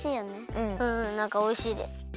うんなんかおいしいです。